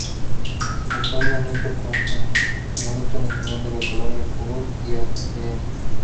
Antonio Onetto como Comisario Nacional de la Colonia Chubut y a Dn.